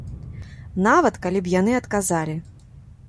Нават калі б яны адказалі.